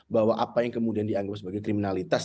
bahwa apa yang kemudian dianggap sebagai kriminalitas